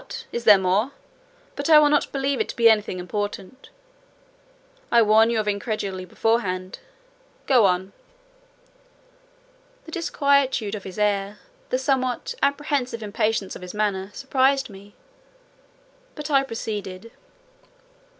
is there more? But I will not believe it to be anything important. I warn you of incredulity beforehand. Go on." The disquietude of his air, the somewhat apprehensive impatience of his manner, surprised me: but I proceeded.